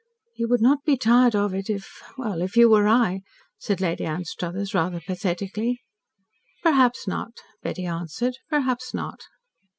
"You would not be tired of it if well, if you were I, said Lady Anstruthers rather pathetically. "Perhaps not," Betty answered. "Perhaps not."